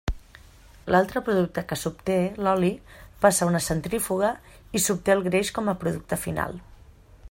L'altre producte que s'obté, l'oli, passa a una centrífuga i s'obté el greix com a producte final.